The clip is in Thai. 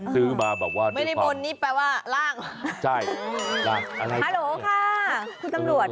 ซื้อมาแบบว่าเล็กฟังอืมฮัลโหลค่ะคุณสังหลวจค่ะ